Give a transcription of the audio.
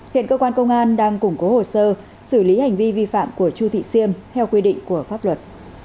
hiện cơ quan công an đang củng cố hồ sơ xử lý hành vi vi phạm của chu thị siêm theo quy định của pháp luật